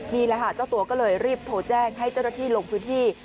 นี่แหละค่ะเจ้าตัวก็เลยรีบโทรแจ้งให้เจ้าหน้าที่ลงพื้นที่